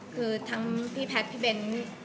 คือทั้งพี่แพทย์พี่เบ้น